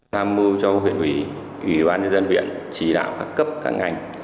nam mưu cho huyện huy huy bán dân viện chỉ đạo các cấp các ngành